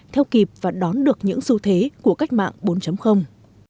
theo kịp và đón được những xu thế của cách mạng bốn